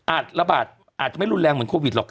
ระบาดอาจจะไม่รุนแรงเหมือนโควิดหรอก